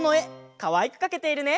かわいくかけているね！